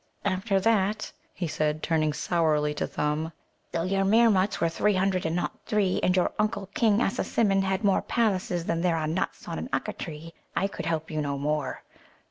"After that," he said, turning sourly to Thumb, "though your Meermuts were three hundred and not three, and your Uncle, King Assasimmon, had more palaces than there are nuts on an Ukka tree, I could help you no more.